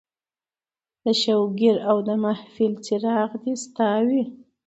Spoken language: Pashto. د شوګیراو د محفل څراغ دې ستا وي